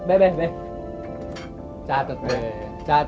ayo sedikit sedikit